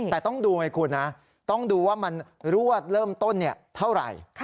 แต่ต้องดูไงคุณนะต้องดูว่ามันรวดเริ่มต้นเท่าไหร่